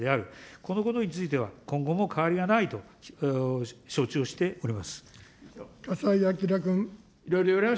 このことについては、今後も変わりはないと承知をしております。